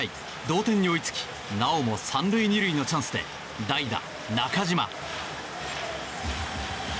同点に追いつきなおも３塁２塁のチャンスで代打、中島。